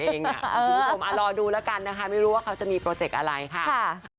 คุณผู้ชมรอดูแล้วกันนะคะไม่รู้ว่าเขาจะมีโปรเจกต์อะไรค่ะ